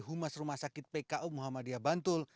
humas rumah sakit pku muhammadiyah bantul